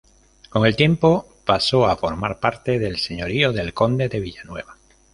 Con el tiempo pasó a formar parte del señorío del conde de Villanueva.